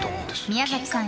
宮崎さん